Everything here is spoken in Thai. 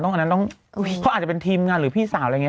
อันนั้นต้องเขาอาจจะเป็นทีมงานหรือพี่สาวอะไรอย่างนี้